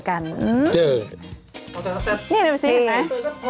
ก็ผอมเร็วแม่